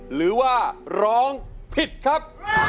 หรือว่าร้องผิดครับ